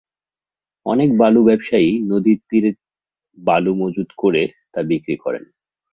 অনেক বালু ব্যবসায়ী নদীর তীরে বালু মজুত করে তা বিক্রি করেন।